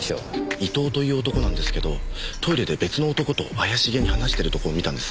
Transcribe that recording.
伊藤という男なんですけどトイレで別の男と怪しげに話してるところを見たんです。